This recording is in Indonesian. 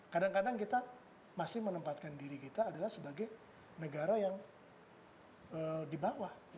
kadang kadang kita masih menempatkan diri kita adalah sebagai negara yang di bawah